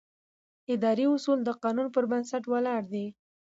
اداري اصول د قانون پر بنسټ ولاړ دي.